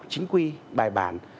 chính quy bài bản